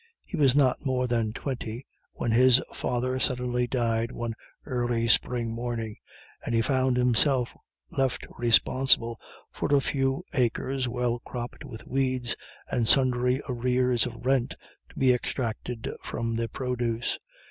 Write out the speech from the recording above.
He was not more than twenty when his father suddenly died one early spring morning, and he found himself left responsible for a few acres well cropped with weeds, and sundry arrears of rent to be extracted from their produce.